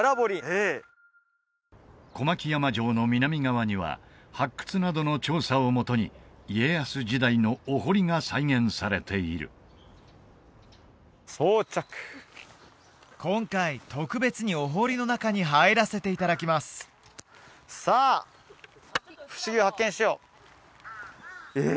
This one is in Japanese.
ええ小牧山城の南側には発掘などの調査をもとに家康時代のお堀が再現されている今回特別にお堀の中に入らせていただきますさあえ